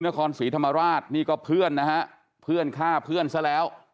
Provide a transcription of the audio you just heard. นครศรีธรรมราชนี่ก็เพื่อนนะฮะเพื่อนฆ่าเพื่อนซะแล้ว